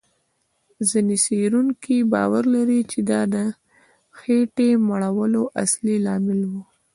ځینې څېړونکي باور لري، چې دا د خېټې مړولو اصلي لامل و.